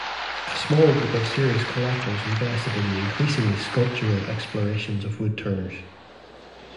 A small group of serious collectors invested in the increasingly sculptural explorations of woodturners.